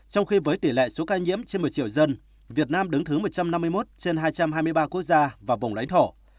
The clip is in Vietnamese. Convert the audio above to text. trong khi với tỷ lệ số ca nhiễm trên một mươi triệu dân việt nam đứng thứ một trăm năm mươi một trên hai trăm hai mươi ba quốc gia và vùng lãnh thổ